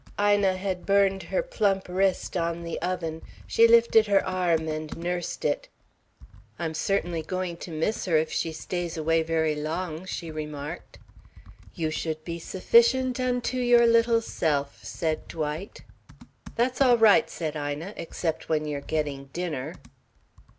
Ina had burned her plump wrist on the oven. She lifted her arm and nursed it. "I'm certainly going to miss her if she stays away very long," she remarked. "You should be sufficient unto your little self," said Dwight. "That's all right," said Ina, "except when you're getting dinner."